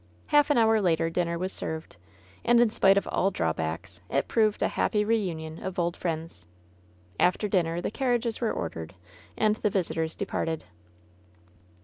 Half an hour later dinner was served. And, in spite of all drawbacks, it proved a happy reunion of old friends. After dinner the carriages were ordered, and the visi tors departed.